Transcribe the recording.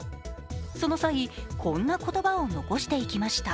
その際、こんな言葉を残していきました。